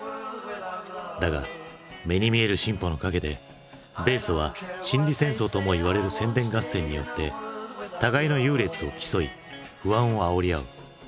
だが目に見える進歩の陰で米ソは「心理戦争」ともいわれる宣伝合戦によって互いの優劣を競い不安をあおり合う。